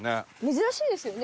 珍しいですよね